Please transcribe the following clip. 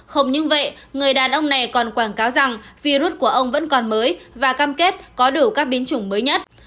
không những vậy người đàn ông này còn quảng cáo rằng virus của ông vẫn còn mới và cam kết có đủ các biến chủng mới nhất